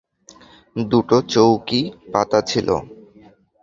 দুটো চৌকিই পাতা ছিল।